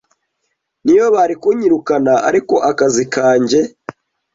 N’iyo bari kunyirukana ariko akazi kanjye